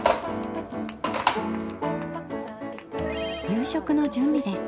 夕食の準備です。